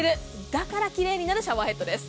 だから奇麗になるシャワーヘッドです。